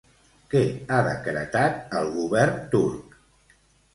Què ha decretat el govern turc?